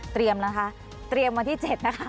เตรียมวันที่๗นะคะ